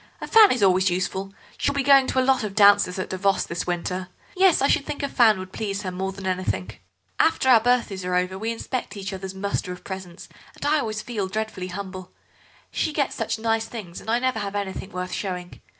A fan is always useful; she'll be going to a lot of dances at Davos this winter. Yes, I should think a fan would please her more than anything. After our birthdays are over we inspect each other's muster of presents, and I always feel dreadfully humble. She gets such nice things, and I never have anything worth showing.